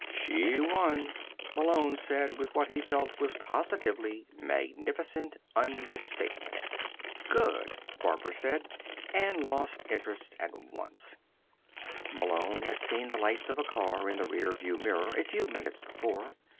"She won," Malone said with what he felt was positively magnificent understatement. "Good," Barbara said, and lost interest at once. Malone had seen the lights of a car in the rear view mirror a few minutes before.